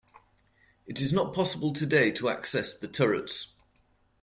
It is not possible today to access the turrets.